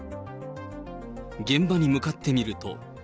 現場に向かってみると。